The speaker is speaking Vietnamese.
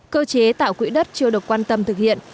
cơ chế tạo quỹ đất chưa được quan tâm thực hiện